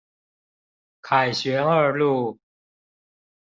凱旋二路